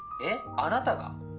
えっあなたが？